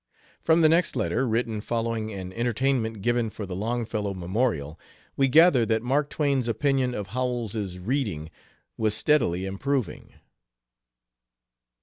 From the next letter, written following an entertainment given for the Longfellow memorial, we gather that Mark Twain's opinion of Howells's reading was steadily improving.